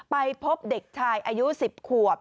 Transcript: ไปพบเด็กชายอายุ๑๐ขวบ